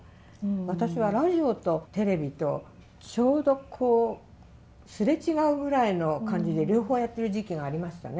私はラジオとテレビとちょうどこう擦れ違うぐらいの感じで両方やってる時期がありましたね。